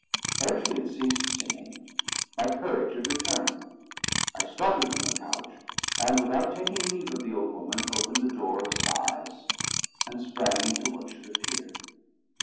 Ere she had ceased singing, my courage had returned. I started from the couch, and, without taking leave of the old woman, opened the door of Sighs, and sprang into what should appear.